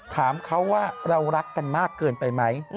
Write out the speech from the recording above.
ถามเขาว่าเรารักกันมากเกินไปไหม